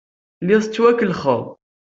Telliḍ tettwakellaxeḍ.